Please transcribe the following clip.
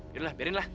biarin lah biarin lah